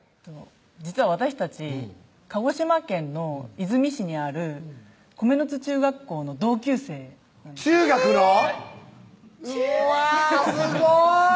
実は私たち鹿児島県の出水市にある米ノ津中学校の同級生なんです中学の⁉はいうわすごい！